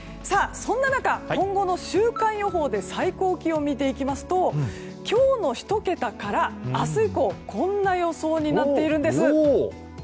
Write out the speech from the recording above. そんな中、今後の週間予報で最高気温を見ていきますと今日の１桁から明日以降こんな予想になっているんです。